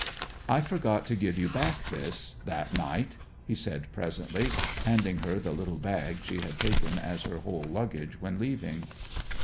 'I forgot to give you back this that night,' he said presently, handing her the little bag she had taken as her whole luggage when leaving.